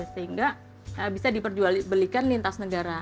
sehingga bisa diperjuali belikan lintas negara